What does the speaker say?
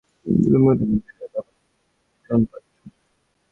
এক-একদিন বৈকালে অপু দশাশ্বমেধ ঘাটে বেড়াইতে গিয়া বাবার মুখে পুরাণপাঠ শোনে।